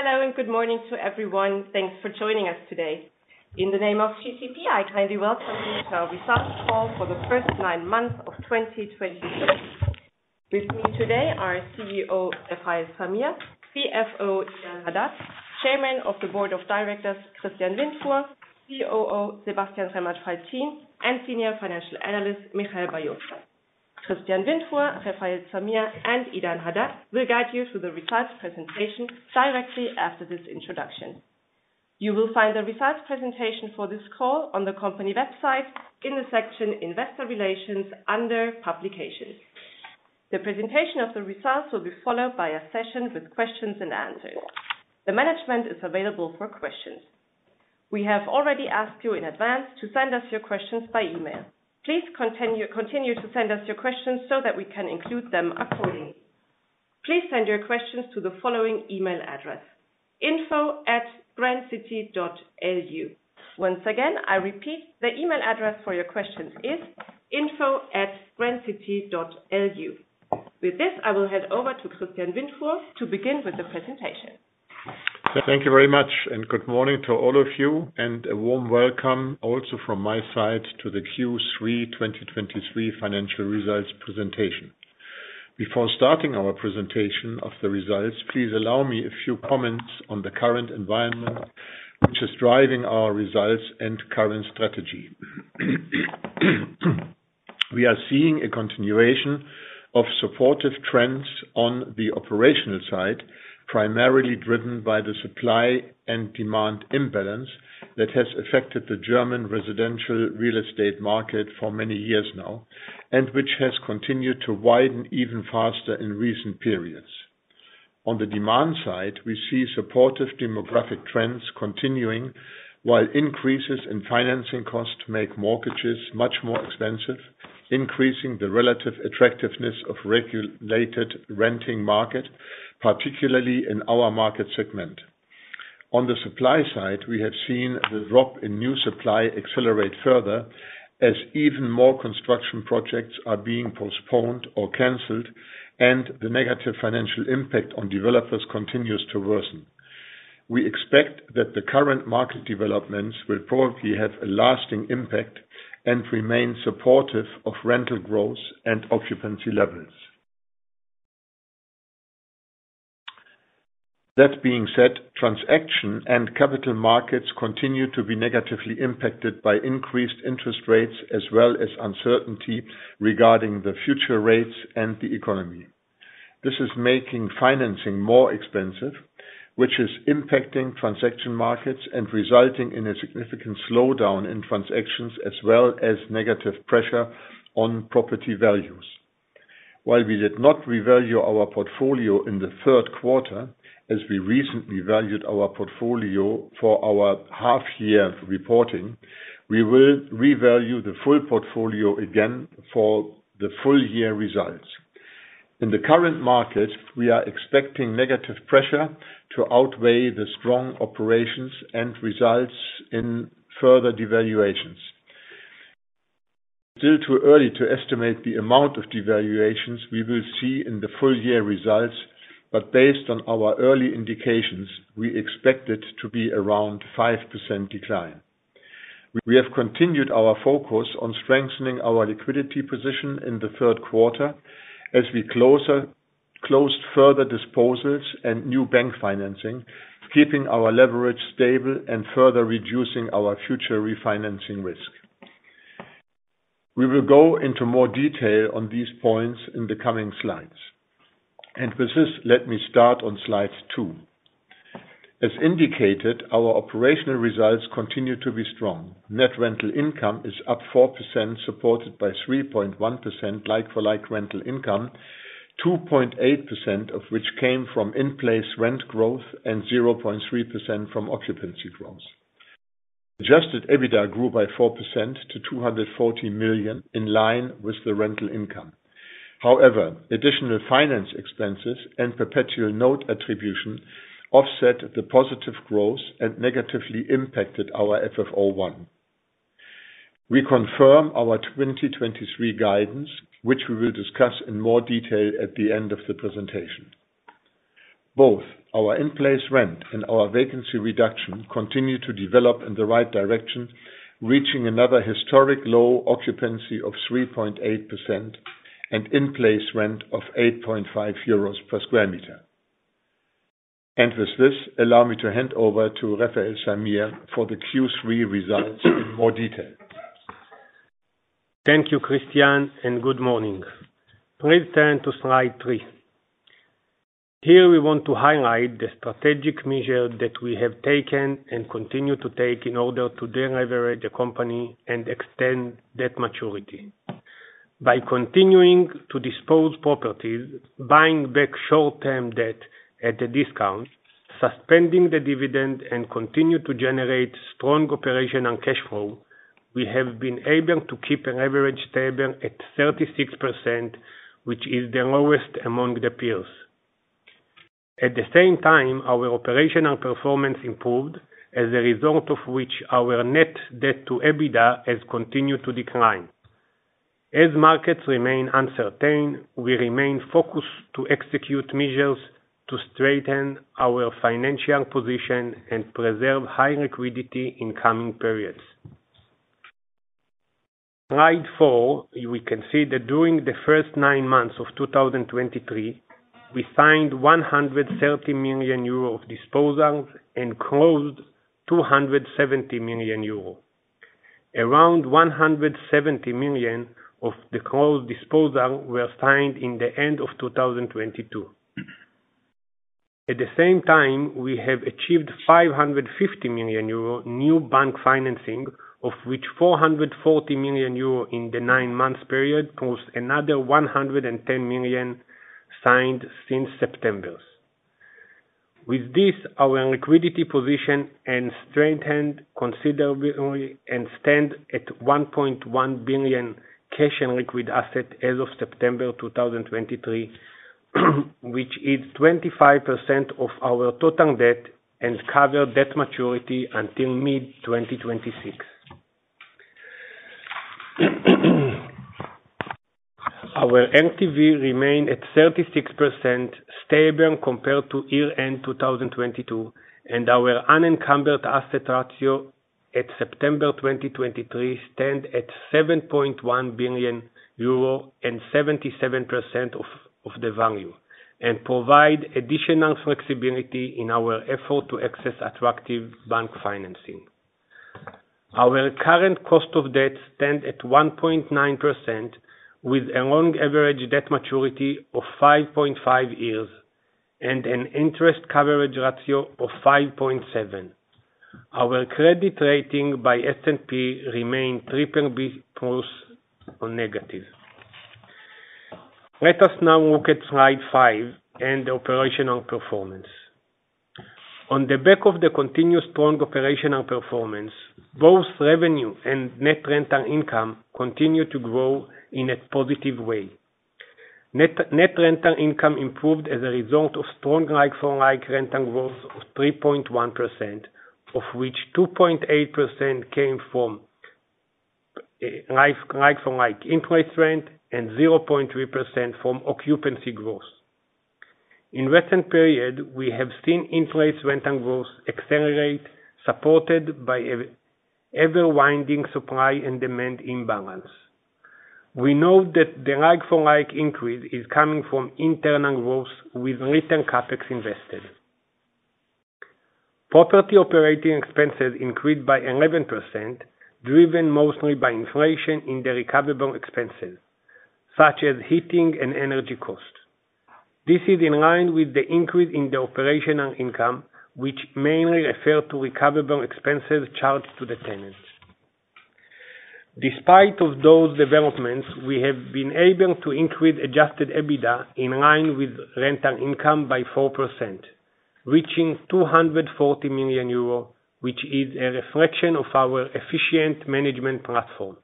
Hello, good morning to everyone. Thanks for joining us today. In the name of GCP, I kindly welcome you to our results call for the first nine months of 2023. With me today are our CEO Refael Zamir, CFO Idan Hadad, Chairman of the Board of Directors Christian Windfuhr, COO Sebastian Remmert-Faltin, and Senior Financial Analyst Michael Bar-Yosef. Christian Windfuhr, Refael Zamir, and Idan Hadad will guide you through the results presentation directly after this introduction. You will find the results presentation for this call on the company website in the section Investor Relations under Publications. The presentation of the results will be followed by a session with questions and answers. The management is available for questions. We have already asked you in advance to send us your questions by email. Please continue to send us your questions so that we can include them accordingly. Please send your questions to the following email address, info@grandcity.lu. Once again, I repeat the email address for your questions is info@grandcity.lu. With this, I will hand over to Christian Windfuhr to begin with the presentation. Thank you very much, good morning to all of you, and a warm welcome also from my side to the Q3 2023 financial results presentation. Before starting our presentation of the results, please allow me a few comments on the current environment which is driving our results and current strategy. We are seeing a continuation of supportive trends on the operational side, primarily driven by the supply and demand imbalance that has affected the German residential real estate market for many years now, and which has continued to widen even faster in recent periods. On the demand side, we see supportive demographic trends continuing, while increases in financing costs make mortgages much more expensive, increasing the relative attractiveness of regulated renting market, particularly in our market segment. On the supply side, we have seen the drop in new supply accelerate further, as even more construction projects are being postponed or canceled, and the negative financial impact on developers continues to worsen. We expect that the current market developments will probably have a lasting impact and remain supportive of rental growth and occupancy levels. That being said, transaction and capital markets continue to be negatively impacted by increased interest rates as well as uncertainty regarding the future rates and the economy. This is making financing more expensive, which is impacting transaction markets and resulting in a significant slowdown in transactions as well as negative pressure on property values. While we did not revalue our portfolio in the third quarter, as we recently valued our portfolio for our half-year reporting, we will revalue the full portfolio again for the full year results. In the current market, we are expecting negative pressure to outweigh the strong operations and results in further devaluations. Still too early to estimate the amount of devaluations we will see in the full year results, but based on our early indications, we expect it to be around 5% decline. We have continued our focus on strengthening our liquidity position in the third quarter as we close further disposals and new bank financing, keeping our leverage stable and further reducing our future refinancing risk. We will go into more detail on these points in the coming slides. With this, let me start on slide two. As indicated, our operational results continue to be strong. Net rental income is up 4%, supported by 3.1% like-for-like rental income, 2.8% of which came from in-place rent growth and 0.3% from occupancy growth. Adjusted EBITDA grew by 4% to 240 million, in line with the rental income. However, additional finance expenses and perpetual note attribution offset the positive growth and negatively impacted our FFO I. We confirm our 2023 guidance, which we will discuss in more detail at the end of the presentation. Both our in-place rent and our vacancy reduction continue to develop in the right direction, reaching another historic low occupancy of 3.8% and in-place rent of 8.5 euros per square meter. With this, allow me to hand over to Refael Zamir for the Q3 results in more detail. Thank you, Christian, and good morning. Please turn to slide three. Here we want to highlight the strategic measure that we have taken and continue to take in order to deleverage the company and extend debt maturity. By continuing to dispose properties, buying back short-term debt at a discount, suspending the dividend, and continue to generate strong operation and cash flow, we have been able to keep a leverage stable at 36%, which is the lowest among the peers. At the same time, our operational performance improved, as a result of which our net debt to EBITDA has continued to decline. As markets remain uncertain, we remain focused to execute measures to strengthen our financial position and preserve high liquidity in coming periods. Slide four, we can see that during the first nine months of 2023, we signed 130 million euro of disposals and closed 270 million euro. Around 170 million of the closed disposal were signed in the end of 2022. At the same time, we have achieved 550 million euro new bank financing, of which 440 million euro in the nine-month period, plus another 110 million signed since September. With this, our liquidity position strengthened considerably and stands at 1.1 billion cash and liquid assets as of September 2023, which is 25% of our total debt and covers debt maturity until mid-2026. Our LTV remained at 36%, stable compared to year-end 2022, and our unencumbered asset ratio at September 2023 stands at 7.1 billion euro and 77% of the value and provides additional flexibility in our effort to access attractive bank financing. Our current cost of debt stands at 1.9%, with a long average debt maturity of 5.5 years and an interest coverage ratio of 5.7x. Our credit rating by S&P remains BBB+ or negative. Let us now look at slide five and operational performance. On the back of the continuous strong operational performance, both revenue and net rental income continue to grow in a positive way. Net rental income improved as a result of strong like-for-like rental growth of 3.1%, of which 2.8% came from like-for-like in-place rent, and 0.3% from occupancy growth. In recent periods, we have seen in-place rent and growth accelerate, supported by an ever-widening supply and demand imbalance. We know that the like-for-like increase is coming from internal growth with little CapEx invested. Property operating expenses increased by 11%, driven mostly by inflation in the recoverable expenses, such as heating and energy costs. This is in line with the increase in the operational income, which mainly refers to recoverable expenses charged to the tenants. Despite of those developments, we have been able to increase adjusted EBITDA in line with rental income by 4%, reaching 240 million euro, which is a reflection of our efficient management platform.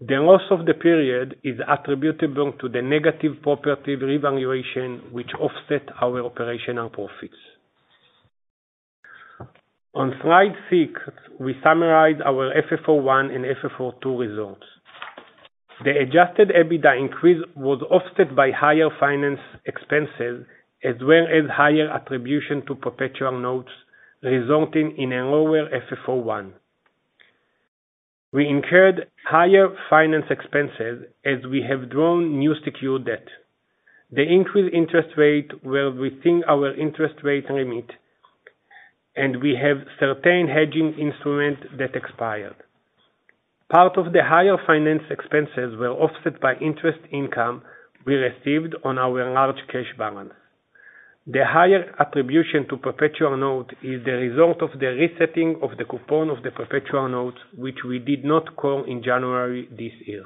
The loss of the period is attributable to the negative property revaluation, which offset our operational profits. On slide six, we summarize our FFO I and FFO II results. The adjusted EBITDA increase was offset by higher finance expenses, as well as higher attribution to perpetual notes, resulting in a lower FFO I. We incurred higher finance expenses as we have drawn new secured debt. The increased interest rate will rethink our interest rate limit, and we have certain hedging instruments that expired. Part of the higher finance expenses were offset by interest income we received on our large cash balance. The higher attribution to perpetual note is the result of the resetting of the coupon of the perpetual notes, which we did not call in January this year.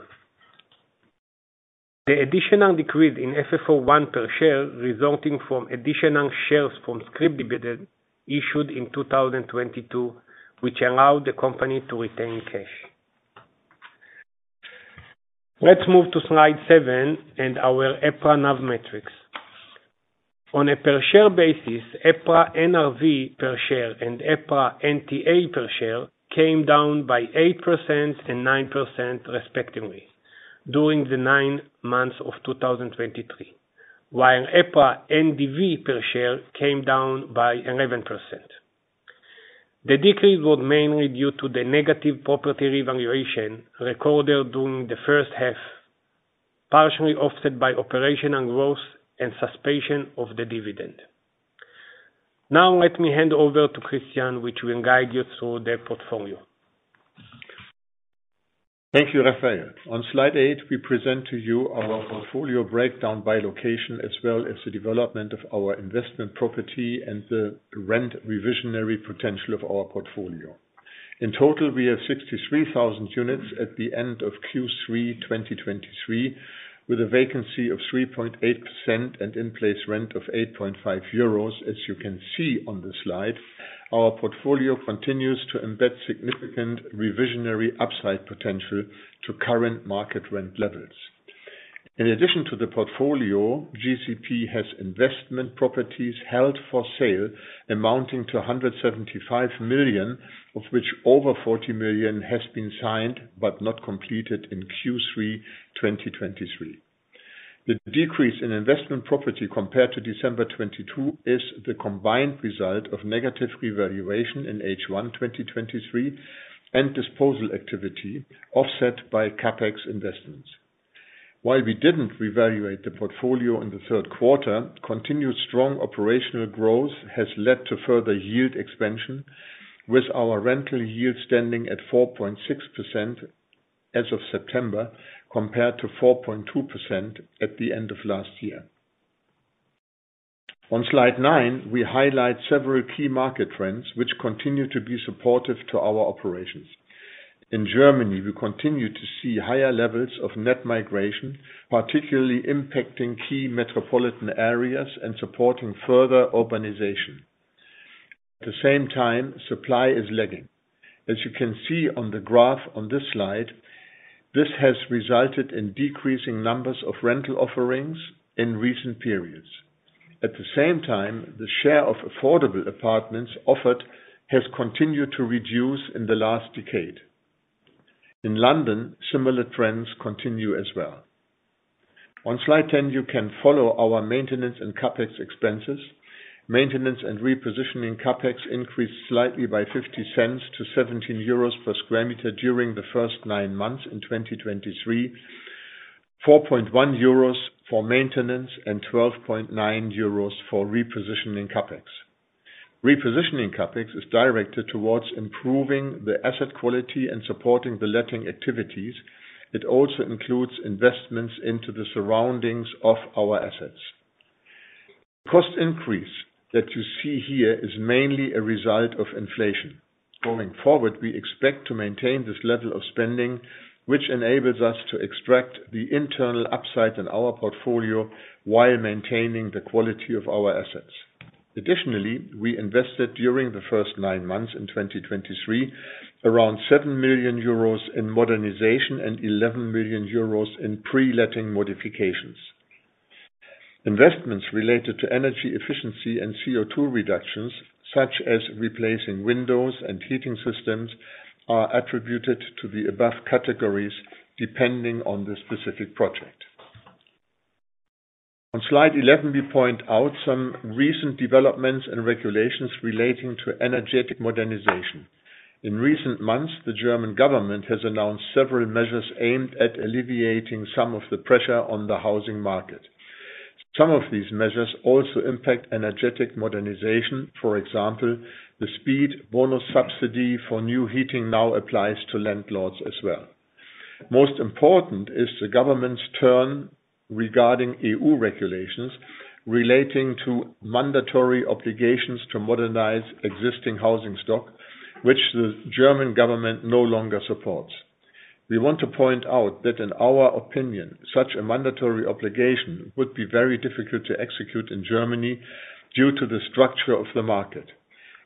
The additional decrease in FFO I per share resulting from additional shares from scrip dividends issued in 2022, which allowed the company to retain cash. Let's move to slide seven and our EPRA NAV metrics. On a per share basis, EPRA NRV per share and EPRA NTA per share came down by 8% and 9% respectively during the nine months of 2023. While EPRA NDV per share came down by 11%. The decrease was mainly due to the negative property revaluation recorded during the first half, partially offset by operational growth and suspension of the dividend. Now, let me hand over to Christian, which will guide you through the portfolio. Thank you, Refael. On slide eight, we present to you our portfolio breakdown by location, as well as the development of our investment property and the rent revisionary potential of our portfolio. In total, we have 63,000 units at the end of Q3 2023, with a vacancy of 3.8% and in-place rent of 8.5 euros per square meter. As you can see on the slide, our portfolio continues to embed significant revisionary upside potential to current market rent levels. In addition to the portfolio, GCP has investment properties held for sale amounting to 175 million, of which over 40 million has been signed but not completed in Q3 2023. The decrease in investment property compared to December 2022 is the combined result of negative revaluation in H1 2023 and disposal activity offset by CapEx investments. While we didn't re-evaluate the portfolio in the third quarter, continued strong operational growth has led to further yield expansion, with our rental yield standing at 4.6% as of September, compared to 4.2% at the end of last year. On slide nine, we highlight several key market trends which continue to be supportive to our operations. In Germany, we continue to see higher levels of net migration, particularly impacting key metropolitan areas and supporting further urbanization. At the same time, supply is lagging. As you can see on the graph on this slide, this has resulted in decreasing numbers of rental offerings in recent periods. At the same time, the share of affordable apartments offered has continued to reduce in the last decade. In London, similar trends continue as well. On slide 10, you can follow our maintenance and CapEx expenses. Maintenance and repositioning CapEx increased slightly by 0.50 to 17.00 euros Per square meter during the first nine months in 2023, 4.10 euros per square meter for maintenance and 12.90 euros per square meter for repositioning CapEx. Repositioning CapEx is directed towards improving the asset quality and supporting the letting activities. It also includes investments into the surroundings of our assets. Cost increase that you see here is mainly a result of inflation. Going forward, we expect to maintain this level of spending, which enables us to extract the internal upside in our portfolio while maintaining the quality of our assets. Additionally, we invested during the first nine months in 2023, around 7 million euros in modernization and 11 million euros in pre-letting modifications. Investments related to energy efficiency and CO2 reductions, such as replacing windows and heating systems, are attributed to the above categories, depending on the specific project. On slide 11, we point out some recent developments and regulations relating to energetic modernization. In recent months, the German government has announced several measures aimed at alleviating some of the pressure on the housing market. Some of these measures also impact energetic modernization. For example, the speed bonus subsidy for new heating now applies to landlords as well. Most important, is the government's turn regarding EU regulations relating to mandatory obligations to modernize existing housing stock, which the German government no longer supports. We want to point out that in our opinion, such a mandatory obligation would be very difficult to execute in Germany due to the structure of the market.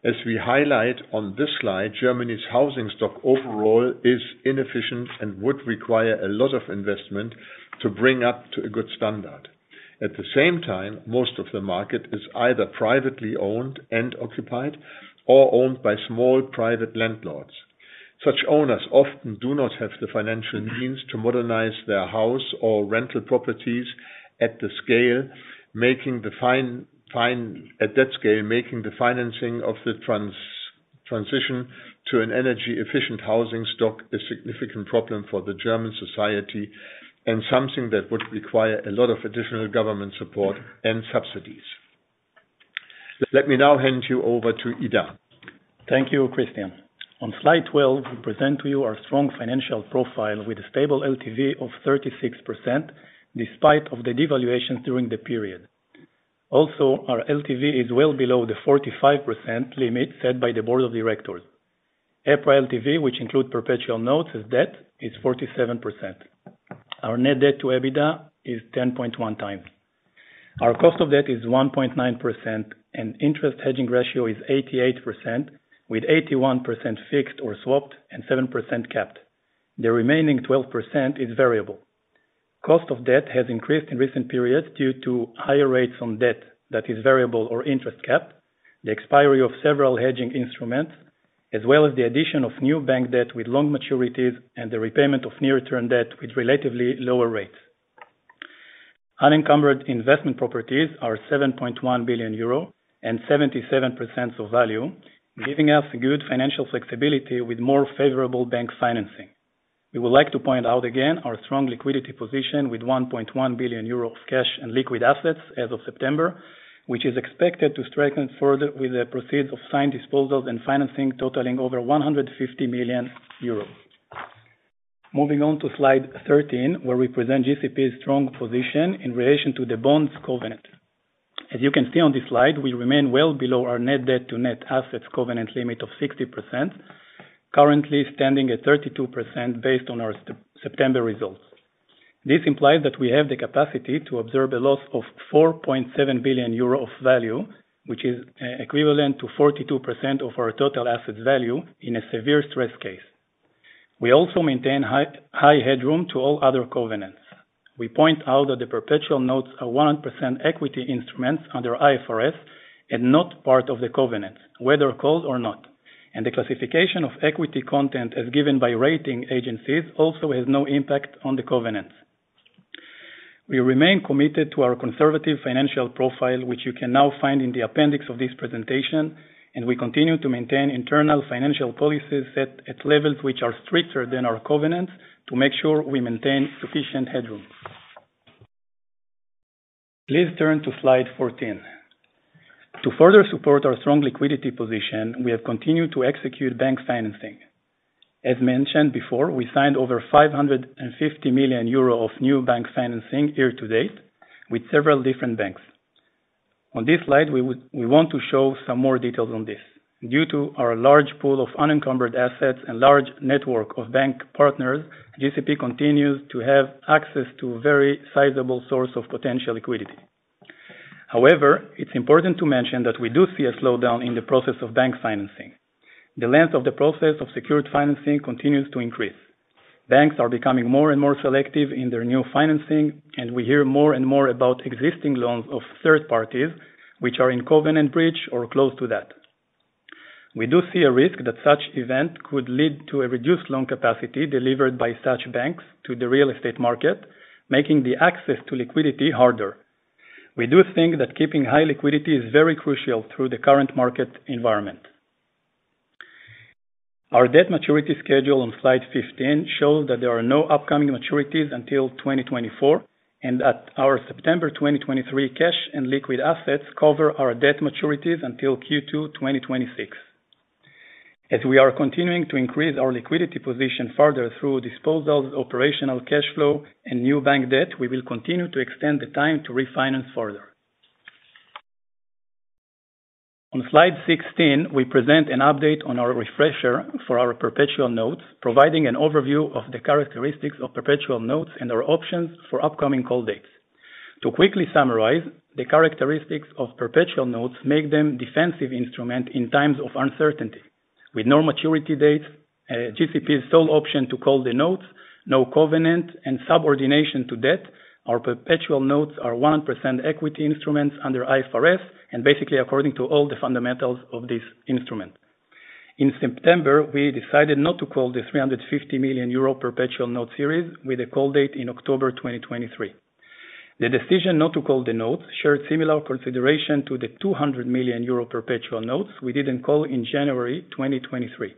As we highlight on this slide, Germany's housing stock overall is inefficient and would require a lot of investment to bring up to a good standard. At the same time, most of the market is either privately owned and occupied or owned by small private landlords. Such owners often do not have the financial means to modernize their house or rental properties at that scale, making the financing of the transition to an energy efficient housing stock a significant problem for the German society, and something that would require a lot of additional government support and subsidies. Let me now hand you over to Idan. Thank you, Christian. On slide 12, we present to you our strong financial profile with a stable LTV of 36%, despite of the devaluation during the period. Also, our LTV is well below the 45% limit set by the Board of Directors. EPRA LTV, which include perpetual notes as debt, is 47%. Our net debt to EBITDA is 10.1x. Our cost of debt is 1.9% and interest hedging ratio is 88%, with 81% fixed or swapped and 7% capped. The remaining 12% is variable. Cost of debt has increased in recent periods due to higher rates on debt that is variable or interest capped, the expiry of several hedging instruments, as well as the addition of new bank debt with long maturities and the repayment of near-term debt with relatively lower rates. Unencumbered investment properties are 7.1 billion euro and 77% of value, giving us good financial flexibility with more favorable bank financing. We would like to point out again our strong liquidity position with 1.1 billion euro of cash and liquid assets as of September, which is expected to strengthen further with the proceeds of signed disposals and financing totaling over 150 million euros. Moving on to slide 13, where we present GCP's strong position in relation to the bonds covenant. As you can see on this slide, we remain well below our net debt to net assets covenant limit of 60%, currently standing at 32% based on our September results. This implies that we have the capacity to absorb a loss of 4.7 billion euro of value, which is equivalent to 42% of our total assets value in a severe stress case. We also maintain high headroom to all other covenants. We point out that the perpetual notes are 100% equity instruments under IFRS and not part of the covenant, whether called or not, and the classification of equity content as given by rating agencies also has no impact on the covenants. We remain committed to our conservative financial profile, which you can now find in the appendix of this presentation, and we continue to maintain internal financial policies set at levels which are stricter than our covenants to make sure we maintain sufficient headroom. Please turn to slide 14. To further support our strong liquidity position, we have continued to execute bank financing. As mentioned before, we signed over 550 million euro of new bank financing, year-to-date, with several different banks. On this slide, we want to show some more details on this. Due to our large pool of unencumbered assets and large network of bank partners, GCP continues to have access to a very sizable source of potential liquidity. However, it's important to mention that we do see a slowdown in the process of bank financing. The length of the process of secured financing continues to increase. Banks are becoming more and more selective in their new financing, and we hear more and more about existing loans of third parties, which are in covenant breach or close to that. We do see a risk that such event could lead to a reduced loan capacity delivered by such banks to the real estate market, making the access to liquidity harder. We do think that keeping high liquidity is very crucial through the current market environment. Our debt maturity schedule on slide 15 shows that there are no upcoming maturities until 2024, and that our September 2023 cash and liquid assets cover our debt maturities until Q2 2026. As we are continuing to increase our liquidity position further through disposals, operational cash flow, and new bank debt, we will continue to extend the time to refinance further. On slide 16, we present an update on our refresher for our perpetual notes, providing an overview of the characteristics of perpetual notes and our options for upcoming call dates. To quickly summarize, the characteristics of perpetual notes make them defensive instrument in times of uncertainty. With no maturity dates, GCP's sole option to call the notes, no covenant, and subordination to debt, our perpetual notes are 100% equity instruments under IFRS and basically according to all the fundamentals of this instrument. In September, we decided not to call the 350 million euro perpetual note series with a call date in October 2023. The decision not to call the notes shared similar consideration to the 200 million euro perpetual notes we didn't call in January 2023.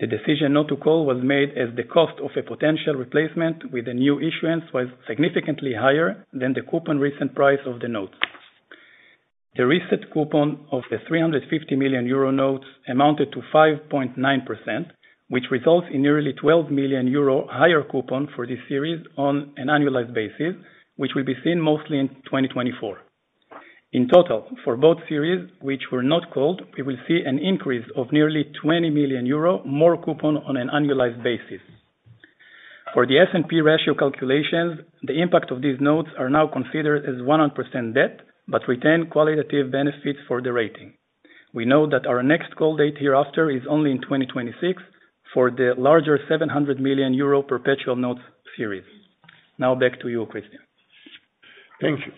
The decision not to call was made as the cost of a potential replacement with a new issuance was significantly higher than the coupon recent price of the notes. The recent coupon of the 350 million euro notes amounted to 5.9%, which results in nearly 12 million euro higher coupon for this series on an annualized basis, which will be seen mostly in 2024. In total, for both series, which were not called, we will see an increase of nearly 20 million euro more coupon on an annualized basis. For the S&P ratio calculations, the impact of these notes are now considered as 100% debt, but retain qualitative benefits for the rating. We know that our next call date hereafter is only in 2026 for the larger 700 million euro perpetual notes series. Now back to you, Christian. Thank you.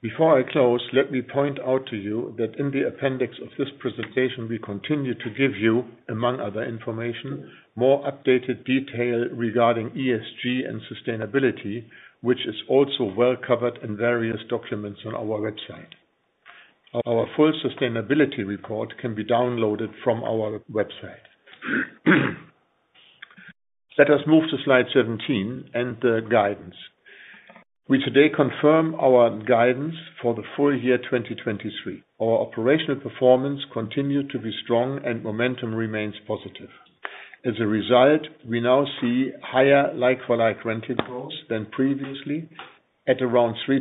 Before I close, let me point out to you that in the appendix of this presentation, we continue to give you, among other information, more updated detail regarding ESG and sustainability, which is also well covered in various documents on our website. Our full sustainability report can be downloaded from our website. Let us move to slide 17 and the guidance. We today confirm our guidance for the full year 2023. Our operational performance continued to be strong and momentum remains positive. As a result, we now see higher like-for-like rental growth than previously, at around 3%.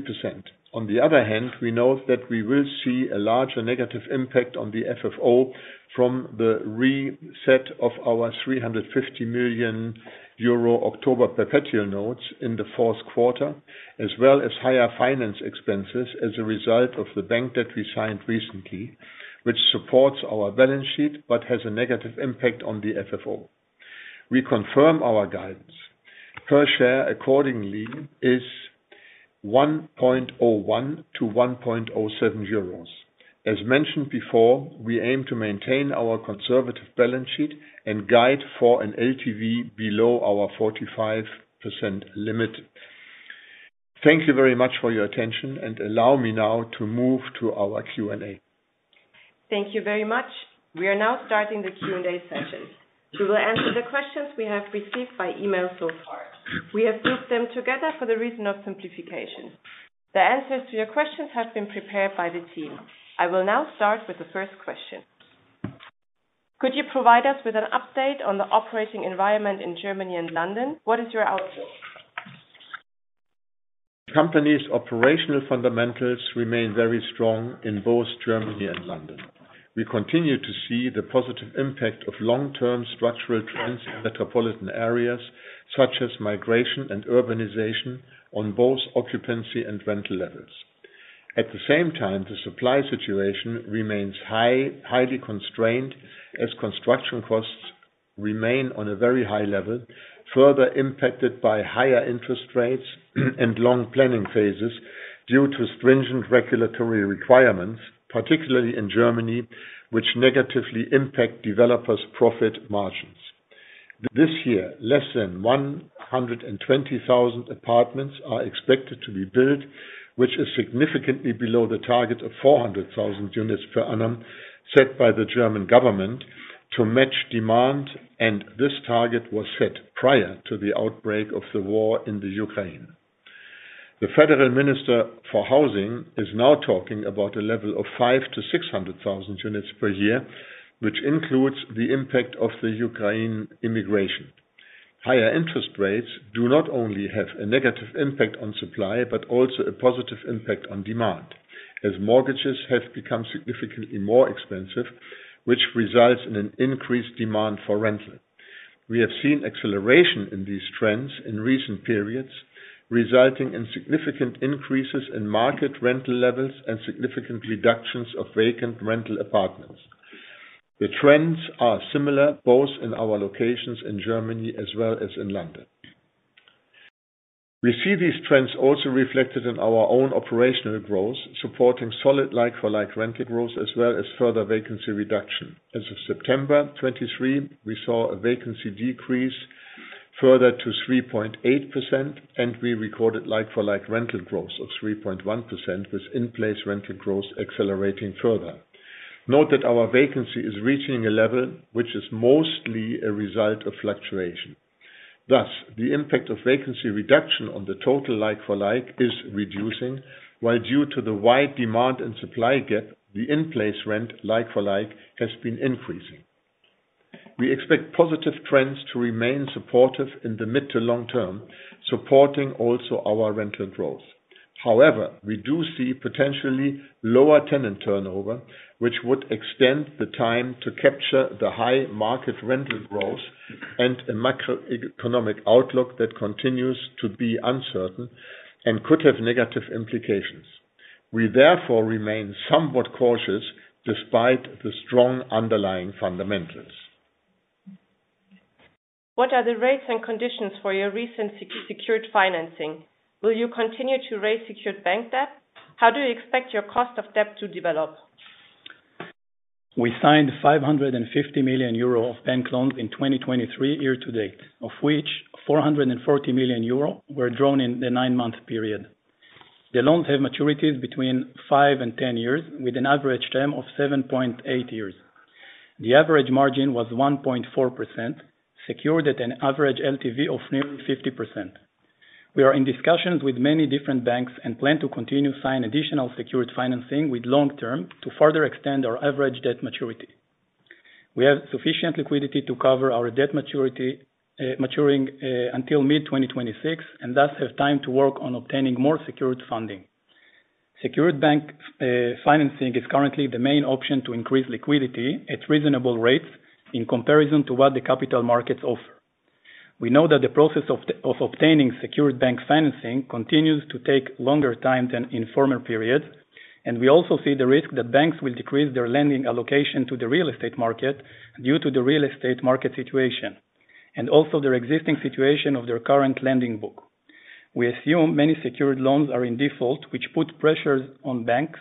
On the other hand, we note that we will see a larger negative impact on the FFO from the reset of our 350 million euro October perpetual notes in the fourth quarter, as well as higher finance expenses as a result of the bank that we signed recently, which supports our balance sheet but has a negative impact on the FFO. We confirm our guidance. Per share accordingly is 1.01-1.07 euros. As mentioned before, we aim to maintain our conservative balance sheet and guide fo an LTV below our 45% limit. Thank you very much for your attention, and allow me now to move to our Q&A. Thank you very much. We are now starting the Q&A session. We will answer the questions we have received by email so far. We have grouped them together for the reason of simplification. The answers to your questions have been prepared by the team. I will now start with the first question. Could you provide us with an update on the operating environment in Germany and London? What is your outlook? The company's operational fundamentals remain very strong in both Germany and London. We continue to see the positive impact of long-term structural trends in metropolitan areas, such as migration and urbanization on both occupancy and rental levels. At the same time, the supply situation remains highly constrained as construction costs remain on a very high level, further impacted by higher interest rates and long planning phases due to stringent regulatory requirements, particularly in Germany, which negatively impact developers' profit margins. This year, less than 120,000 apartments are expected to be built, which is significantly below the target of 400,000 units per annum set by the German government to match demand, and this target was set prior to the outbreak of the war in the Ukraine. The Federal Minister for Housing is now talking about a level of 500,000-600,000 units per year, which includes the impact of the Ukraine immigration. Higher interest rates do not only have a negative impact on supply, but also a positive impact on demand, as mortgages have become significantly more expensive, which results in an increased demand for rental. We have seen acceleration in these trends in recent periods, resulting in significant increases in market rental levels and significant reductions of vacant rental apartments. The trends are similar both in our locations in Germany as well as in London. We see these trends also reflected in our own operational growth, supporting solid like-for-like rental growth, as well as further vacancy reduction. As of September 2023, we saw a vacancy decrease further to 3.8%, and we recorded like-for-like rental growth of 3.1%, with in-place rental growth accelerating further. Note that our vacancy is reaching a level which is mostly a result of fluctuation. Thus, the impact of vacancy reduction on the total like-for-like is reducing, while due to the wide demand and supply gap, the in-place rent like-for-like has been increasing. We expect positive trends to remain supportive in the mid to long term, supporting also our rental growth. However, we do see potentially lower tenant turnover, which would extend the time to capture the high market rental growth and a macroeconomic outlook that continues to be uncertain and could have negative implications. We therefore remain somewhat cautious despite the strong underlying fundamentals. What are the rates and conditions for your recent secured financing? Will you continue to raise secured bank debt? How do you expect your cost of debt to develop? We signed 550 million euro of bank loans in 2023 year-to-date, of which 440 million euro were drawn in the nine-month period. The loans have maturities between 5 and 10 years, with an average term of 7.8 years. The average margin was 1.4%, secured at an average LTV of nearly 50%. We are in discussions with many different banks and plan to continue to sign additional secured financing with long-term to further extend our average debt maturity. We have sufficient liquidity to cover our debt maturing until mid-2026, and thus have time to work on obtaining more secured funding. Secured bank financing is currently the main option to increase liquidity at reasonable rates in comparison to what the capital markets offer. We know that the process of obtaining secured bank financing continues to take longer time than in former periods. We also see the risk that banks will decrease their lending allocation to the real estate market due to the real estate market situation, and also their existing situation of their current lending book. We assume many secured loans are in default, which put pressures on banks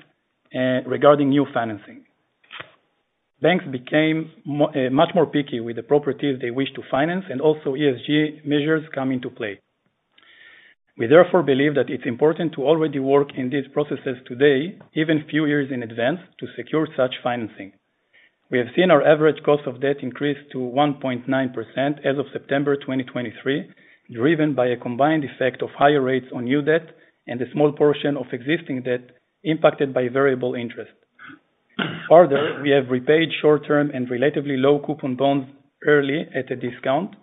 regarding new financing. Banks became much more picky with the properties they wish to finance, and also ESG measures come into play. We therefore believe that it's important to already work in these processes today, even few years in advance, to secure such financing. We have seen our average cost of debt increase to 1.9% as of September 2023, driven by a combined effect of higher rates on new debt and a small portion of existing debt impacted by variable interest. Further, we have repaid short-term and relatively low coupon bonds early at a discount.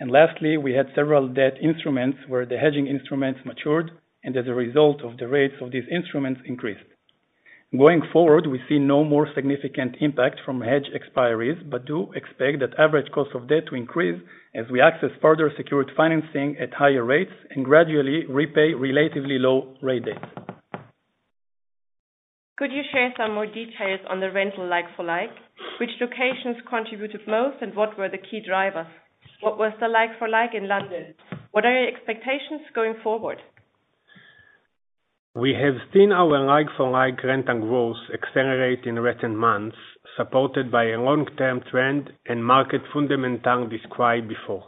Lastly, we had several debt instruments where the hedging instruments matured, and as a result of the rates of these instruments increased. Going forward, we see no more significant impact from hedge expiries, but do expect that average cost of debt to increase as we access further secured financing at higher rates and gradually repay relatively low rate debt. Could you share some more details on the rental like-for-like? Which locations contributed most and what were the key drivers? What was the like-for-like in London? What are your expectations going forward? We have seen our like-for-like rental growth accelerate in recent months, supported by a long-term trend and market fundamentals described before.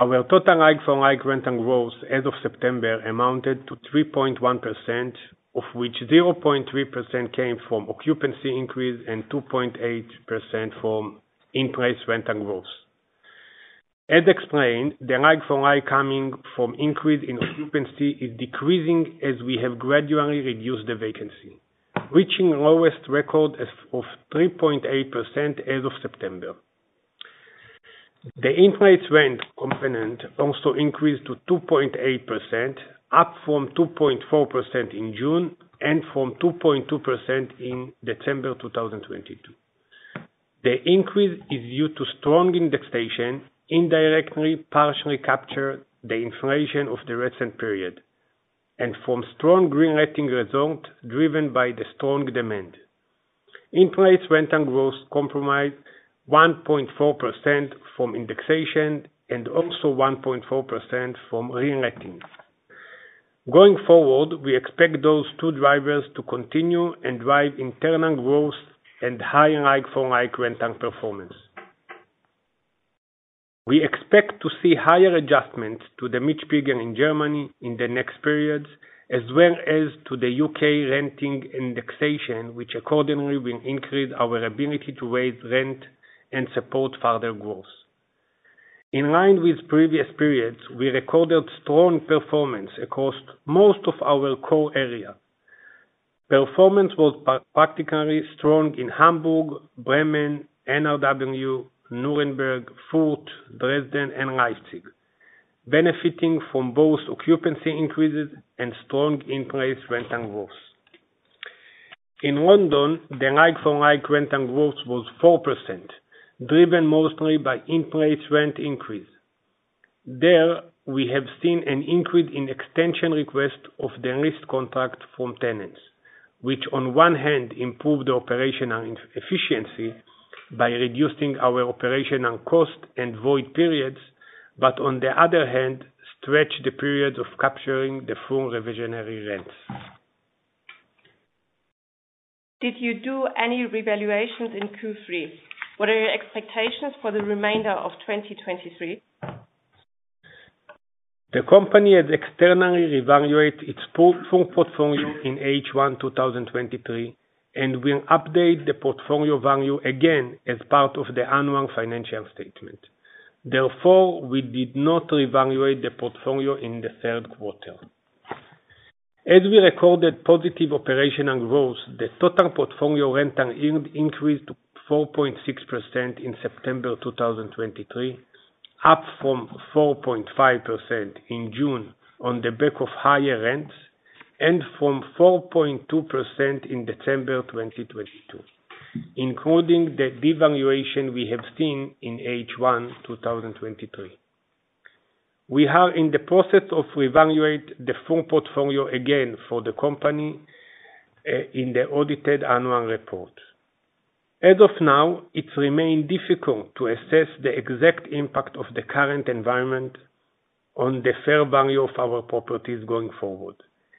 Our total like-for-like rental growth as of September amounted to 3.1%, of which 0.3% came from occupancy increase and 2.8% from in-place rental growth. As explained, the like-for-like coming from increase in occupancy is decreasing as we have gradually reduced the vacancy, reaching lowest record of 3.8% as of September. The in-place rent component also increased to 2.8%, up from 2.4% in June and from 2.2% in December 2022. The increase is due to strong indexation, indirectly partially capture the inflation of the recent period, and from strong re-letting results driven by the strong demand. In-place rent and growth comprise 1.4% from indexation and also 1.4% from re-letting. Going forward, we expect those two drivers to continue and drive internal growth and high like-for-like rent and performance. We expect to see higher adjustments to the mixed figure in Germany in the next periods, as well as to the U.K. renting indexation, which accordingly will increase our ability to raise rent and support further growth. In line with previous periods, we recorded strong performance across most of our core areas. Performance was particularly strong in Hamburg, Bremen, NRW, Nuremberg, Fürth, Dresden, and Leipzig, benefiting from both occupancy increases and strong in-place rent and growth. In London, the like-for-like rent and growth was 4%, driven mostly by in-place rent increase. There, we have seen an increase in extension request of the lease contract from tenants, which on one hand improved operational efficiency by reducing our operational cost and void periods, but on the other hand, stretch the period of capturing the full revisionary rents. Did you do any revaluations in Q3? What are your expectations for the remainder of 2023? The company has externally revaluated its full portfolio in H1 2023, and will update the portfolio value again as part of the Annual Financial Statement. Therefore, we did not revaluate the portfolio in the third quarter. As we recorded positive operational growth, the total portfolio rent and yield increased to 4.6% in September 2023, up from 4.5% in June on the back of higher rents and from 4.2% in December 2022, including the devaluation we have seen in H1 2023. We are in the process of revaluating the full portfolio again for the company, in the Audited Annual Report. As of now, it remains difficult to assess the exact impact of the current environment on the fair value of our properties going forward,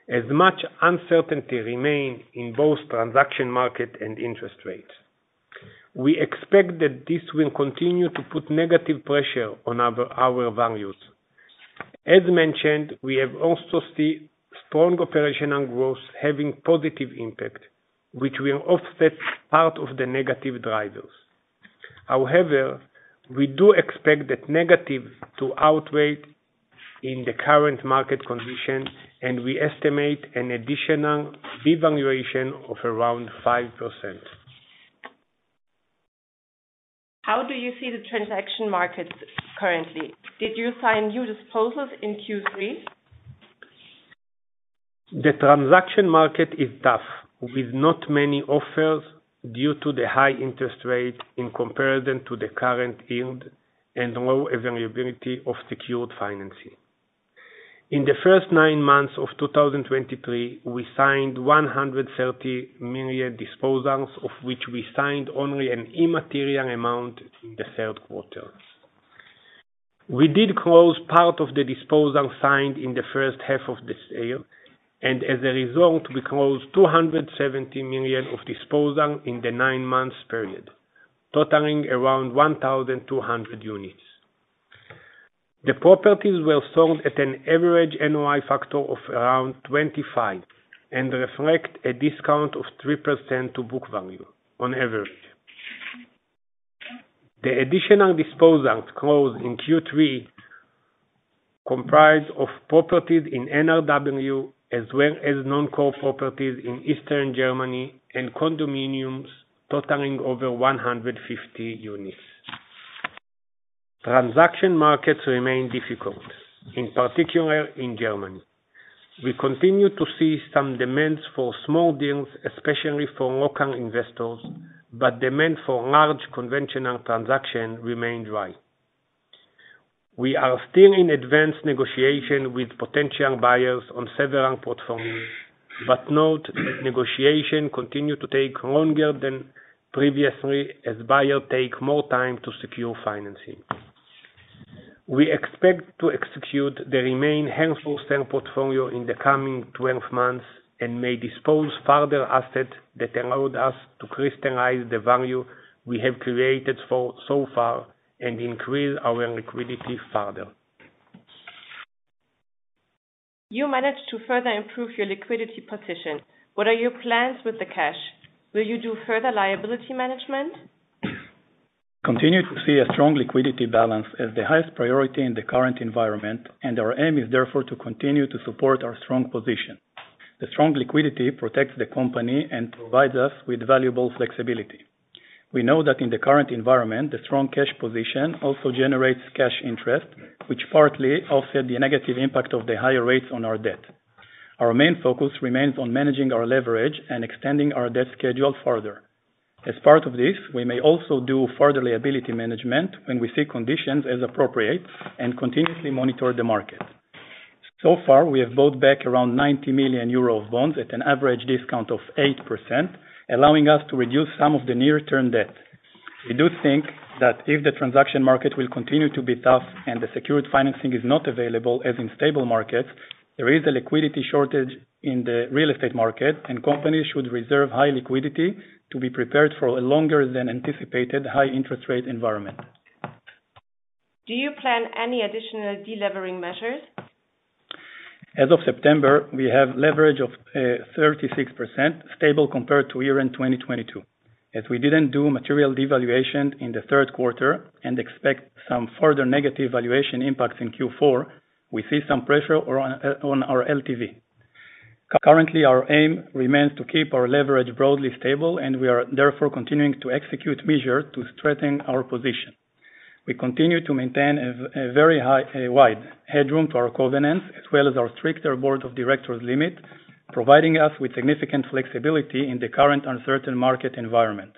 as much uncertainty remains in both transaction market and interest rates. We expect that this will continue to put negative pressure on our values. As mentioned, we have also seen strong operational growth having positive impact, which will offset part of the negative drivers. However, we do expect that negative to outweigh in the current market condition, and we estimate an additional devaluation of around 5%. How do you see the transaction markets currently? Did you sign new disposals in Q3? The transaction market is tough, with not many offers due to the high interest rate in comparison to the current yield and low availability of secured financing. In the first nine months of 2023, we signed 130 million disposals, of which we signed only an immaterial amount in the third quarter. We did close part of the disposal signed in the first half of the sale, and as a result, we closed 270 million of disposal in the nine months period, totaling around 1,200 units. The properties were sold at an average NOI factor of around 25 and reflect a discount of 3% to book value on average. The additional disposals closed in Q3 comprise of properties in NRW, as well as non-core properties in Eastern Germany and condominiums totaling over 150 units. Transaction markets remain difficult, in particular in Germany. We continue to see some demands for small deals, especially for local investors, but demand for large conventional transactions remains low. We are still in advanced negotiation with potential buyers on several portfolios, but note, negotiation continue to take longer than previously, as buyers take more time to secure financing. We expect to execute the remaining handful sale portfolio in the coming 12 months and may dispose further assets that allow us to crystallize the value we have created so far and increase our liquidity further. You managed to further improve your liquidity position. What are your plans with the cash? Will you do further liability management? Continue to see a strong liquidity balance as the highest priority in the current environment. Our aim is therefore to continue to support our strong position. The strong liquidity protects the company and provides us with valuable flexibility. We know that in the current environment, the strong cash position also generates cash interest, which partly offset the negative impact of the higher rates on our debt. Our main focus remains on managing our leverage and extending our debt schedule further. As part of this, we may also do further liability management when we see conditions as appropriate and continuously monitor the market. So far, we have bought back around 90 million euro of bonds at an average discount of 8%, allowing us to reduce some of the near-term debt. We do think that if the transaction market will continue to be tough and the secured financing is not available as in stable markets, there is a liquidity shortage in the real estate market. Companies should reserve high liquidity to be prepared for a longer than anticipated high interest rate environment. Do you plan any additional de-levering measures? As of September, we have leverage of 36%, stable compared to year-end 2022. As we didn't do material devaluation in the third quarter and expect some further negative valuation impacts in Q4, we see some pressure on our LTV. Currently, our aim remains to keep our leverage broadly stable. We are therefore continuing to execute measures to strengthen our position. We continue to maintain a very wide headroom to our covenants as well as our stricter Board of Directors limit, providing us with significant flexibility in the current uncertain market environment.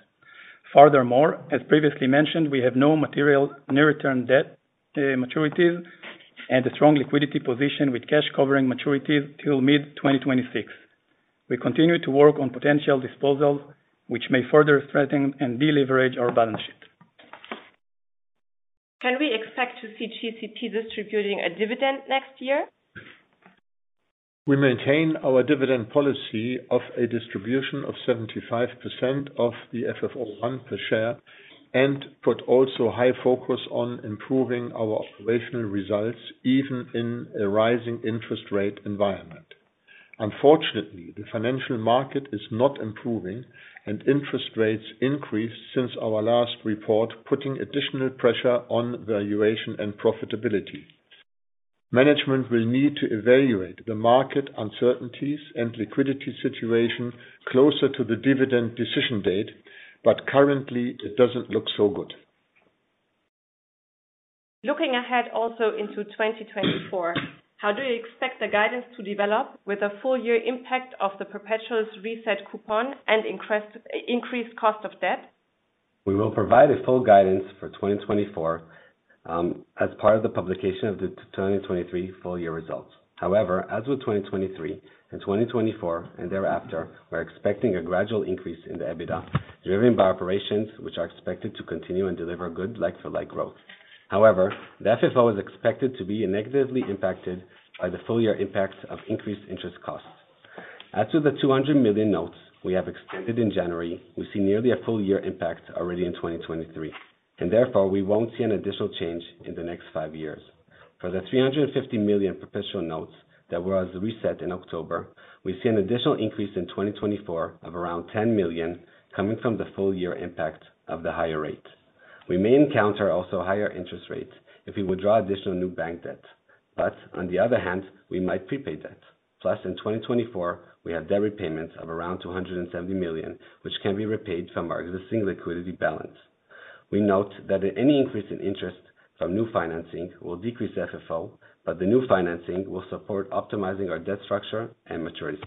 Furthermore, as previously mentioned, we have no material near-term debt maturities and a strong liquidity position with cash covering maturities until mid-2026. We continue to work on potential disposals, which may further strengthen and de-leverage our balance sheet. Can we expect to see GCP distributing a dividend next year? We maintain our dividend policy of a distribution of 75% of the FFO I per share and put also high focus on improving our operational results, even in a rising interest rate environment. Unfortunately, the financial market is not improving and interest rates increased since our last report, putting additional pressure on valuation and profitability. Management will need to evaluate the market uncertainties and liquidity situation closer to the dividend decision date, but currently it doesn't look so good. Looking ahead also into 2024, how do you expect the guidance to develop with a full year impact of the perpetual's reset coupon and increased cost of debt? We will provide a full guidance for 2024 as part of the publication of the 2023 Full Year Results. However, as with 2023, and 2024, and thereafter, we're expecting a gradual increase in the EBITDA, driven by operations which are expected to continue and deliver good like-for-like growth. However, the FFO is expected to be negatively impacted by the full year impacts of increased interest costs. As with the 200 million notes we have extended in January, we see nearly a full year impact already in 2023, and therefore, we won't see an additional change in the next five years. For the 350 million perpetual notes that was reset in October, we see an additional increase in 2024 of around 10 million coming from the full year impact of the higher rate. We may encounter also higher interest rates if we withdraw additional new bank debt, but on the other hand, we might prepay debt. In 2024, we have debt repayments of around 270 million, which can be repaid from our existing liquidity balance. We note that any increase in interest from new financing will decrease FFO, but the new financing will support optimizing our debt structure and maturity.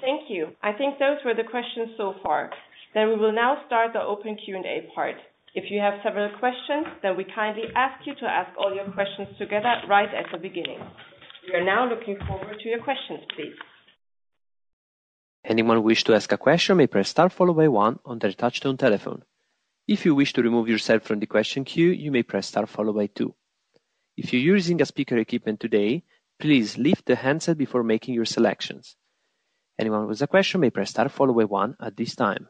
Thank you. I think those were the questions so far. We will now start the open Q&A part. If you have several questions, we kindly ask you to ask all your questions together right at the beginning. We are now looking forward to your questions, please. Anyone who wish to ask a question may press star followed by one on their touch-tone telephone. If you wish to remove yourself from the question queue, you may press star followed by two. If you're using speaker equipment today, please lift the handset before making your selections. Anyone with a question may press star followed by one at this time.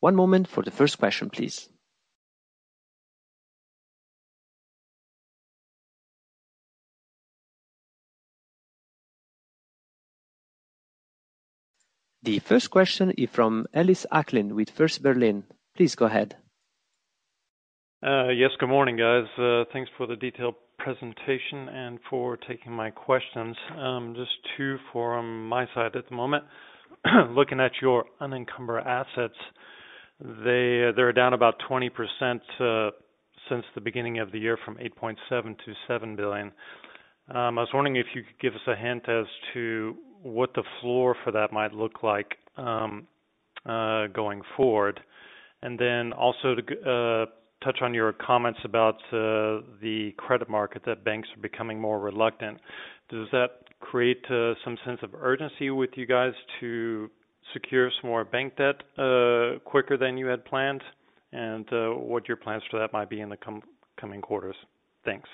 One moment for the first question, please. The first question is from Ellis Acklin with First Berlin. Please go ahead. Yes. Good morning, guys. Thanks for the detailed presentation and for taking my questions. Just two from my side at the moment. Looking at your unencumbered assets, they're down about 20% since the beginning of the year from 8.7 billion to 7 billion. I was wondering if you could give us a hint as to what the floor for that might look like going forward. Also to touch on your comments about the credit market, that banks are becoming more reluctant. Does that create some sense of urgency with you guys to secure some more bank debt quicker than you had planned? What your plans for that might be in the coming quarters? Thanks.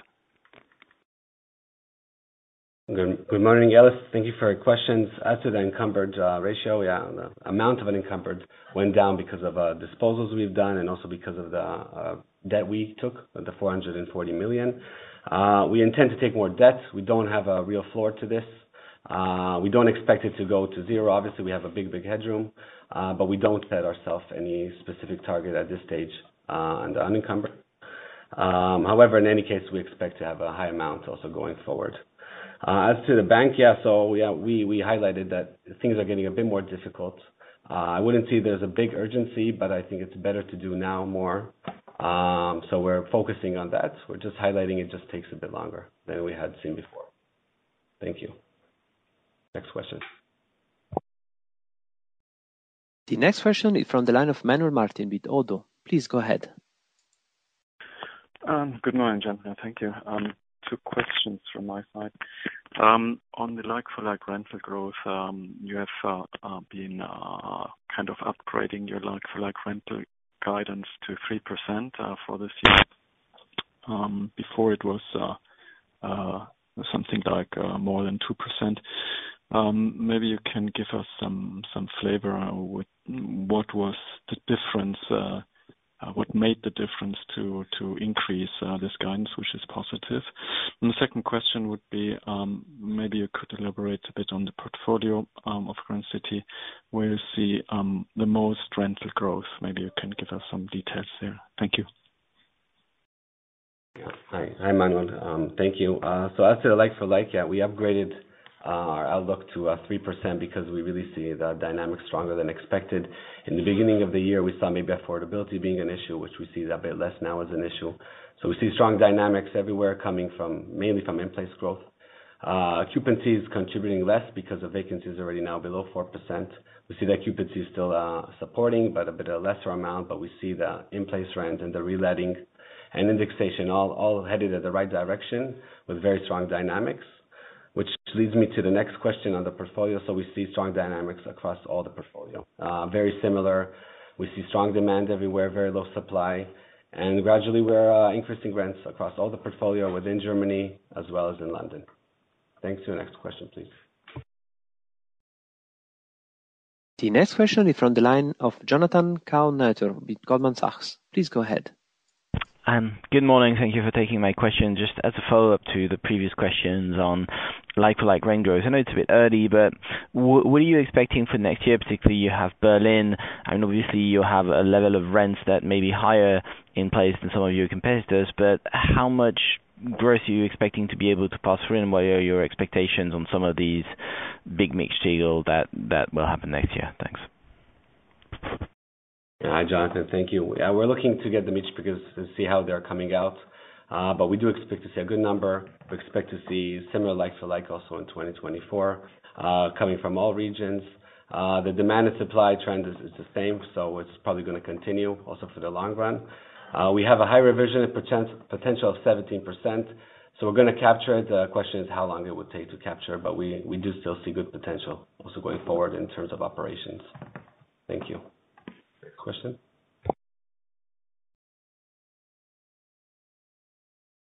Good morning, Ellis. Thank you for your questions. As to the encumbered ratio, yeah, the amount of unencumbered went down because of disposals we've done and also because of the debt we took, the 440 million. We intend to take more debt. We don't have a real floor to this. We don't expect it to go to zero. Obviously, we have a big headroom. We don't set ourself any specific target at this stage on the unencumbered. However, in any case, we expect to have a high amount also going forward. As to the bank, yeah. We highlighted that things are getting a bit more difficult. I wouldn't say there's a big urgency, but I think it's better to do now more. We're focusing on that. We're just highlighting it just takes a bit longer than we had seen before. Thank you. Next question. The next question is from the line of Manuel Martin with ODDO. Please go ahead. Good morning, gentlemen. Thank you. Two questions from my side. On the like-for-like rental growth. You have been kind of upgrading your like-for-like rental guidance to 3% for this year. Before it was something like more than 2%. Maybe you can give us some flavor. What made the difference to increase this guidance, which is positive? The second question would be, maybe you could elaborate a bit on the portfolio of Grand City, where you see the most rental growth. Maybe you can give us some details there. Thank you. Yeah. Hi, Manuel. Thank you. As to like-for-like, yeah, we upgraded our outlook to 3% because we really see the dynamics stronger than expected. In the beginning of the year, we saw maybe affordability being an issue, which we see a bit less now as an issue. We see strong dynamics everywhere coming mainly from in-place growth. Occupancy is contributing less because the vacancy is already now below 4%. We see that occupancy is still supporting, but a bit of lesser amount, but we see the in-place rent and the reletting and indexation all headed in the right direction with very strong dynamics. Which leads me to the next question on the portfolio. We see strong dynamics across all the portfolio. Very similar. We see strong demand everywhere, very low supply. Gradually, we're increasing rents across all the portfolio within Germany as well as in London. Thanks. To the next question, please. The next question is from the line of Jonathan Kownator with Goldman Sachs. Please go ahead. Good morning. Thank you for taking my question. Just as a follow-up to the previous questions on like-for-like rental growth. I know it's a bit early, but what are you expecting for next year, particularly you have Berlin, and obviously you have a level of rents that may be higher in place than some of your competitors, but how much growth are you expecting to be able to pass through and what are your expectations on some of these big mix deals that will happen next year? Thanks. Hi, Jonathan. Thank you. Yeah, we're looking to get the mix because to see how they're coming out. We do expect to see a good number. We expect to see similar like-for-like also in 2024, coming from all regions. The demand and supply trend is the same, it's probably going to continue also for the long run. We have a high revision potential of 17%, we're going to capture it. The question is how long it would take to capture, but we do still see good potential also going forward in terms of operations. Thank you. Next question.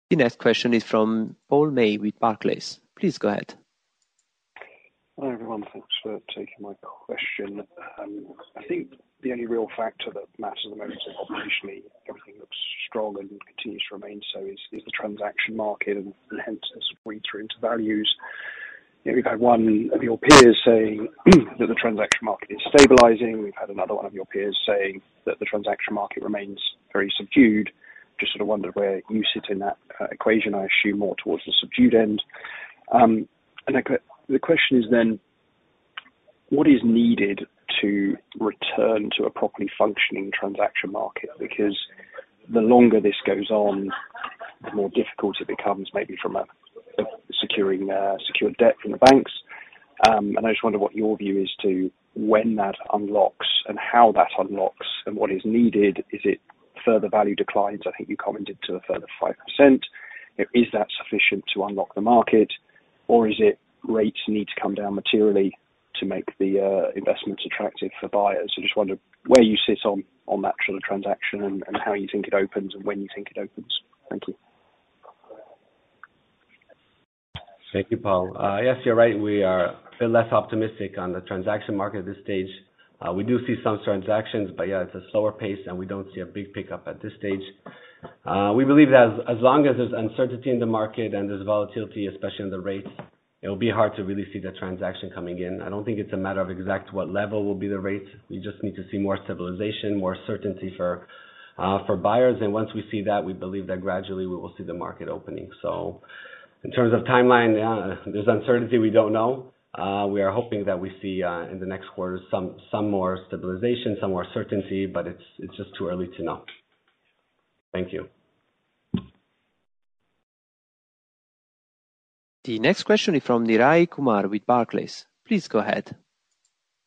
The next question is from Paul May with Barclays. Please go ahead. Hi, everyone. Thanks for taking my question. I think the only real factor that matters at the moment, operationally everything looks strong and continues to remain so, is the transaction market and hence as read through into values. We've had one of your peers saying that the transaction market is stabilizing. We've had another one of your peers saying that the transaction market remains very subdued. Just sort of wondered where you sit in that equation. I assume more towards the subdued end. The question is then, what is needed to return to a properly functioning transaction market? Because the longer this goes on, the more difficult it becomes, maybe from securing secured debt from the banks. I just wonder what your view is to when that unlocks and how that unlocks and what is needed. Is it further value declines? I think you commented to a further 5%. Is that sufficient to unlock the market, or is it rates need to come down materially to make the investments attractive for buyers? I just wonder where you sit on that sort of transaction and how you think it opens and when you think it opens. Thank you. Thank you, Paul. Yes, you're right. We are a bit less optimistic on the transaction market at this stage. We do see some transactions, but it's a slower pace, and we don't see a big pickup at this stage. We believe that as long as there's uncertainty in the market and there's volatility, especially in the rates, it'll be hard to really see the transaction coming in. I don't think it's a matter of exact what level will be the rates. We just need to see more stabilization, more certainty for buyers. Once we see that, we believe that gradually we will see the market opening. In terms of timeline, there's uncertainty. We don't know. We are hoping that we see, in the next quarter, some more stabilization, some more certainty, but it's just too early to know. Thank you. The next question is from Neeraj Kumar with Barclays. Please go ahead.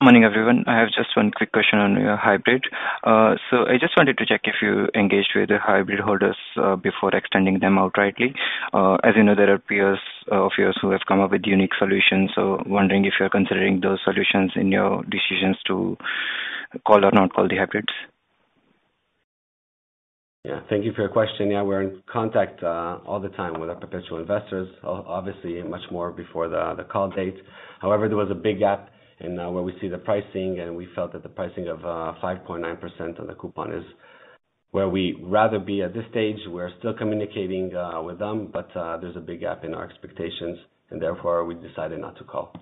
Morning, everyone. I have just one quick question on your hybrid. I just wanted to check if you engaged with the hybrid holders before extending them outrightly. As you know, there are peers of yours who have come up with unique solutions. Wondering if you're considering those solutions in your decisions to call or not call the hybrids? Thank you for your question. We're in contact all the time with our perpetual investors, obviously much more before the call date. However, there was a big gap in where we see the pricing, and we felt that the pricing of 5.9% on the coupon is where we'd rather be at this stage. We're still communicating with them, but there's a big gap in our expectations, and therefore, we decided not to call.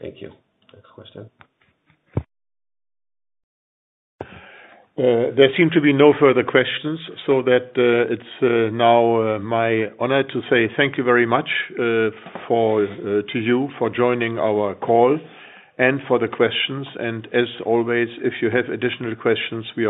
Thank you. Next question. There seem to be no further questions. That it's now my honor to say thank you very much to you for joining our call and for the questions. As always, if you have additional questions, we are.